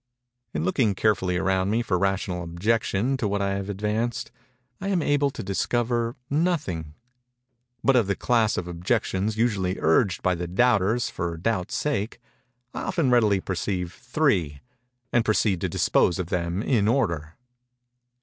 In looking carefully around me for rational objection to what I have advanced, I am able to discover nothing;—but of that class of objections usually urged by the doubters for Doubt's sake, I very readily perceive three; and proceed to dispose of them in order.